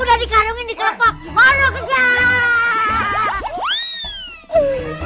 udah dikandungin di kelopok baru kejar